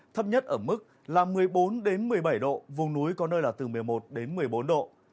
thấp nhất ở mức là một mươi bốn một mươi bảy độ vùng núi có nơi là từ một mươi một đến một mươi bốn độ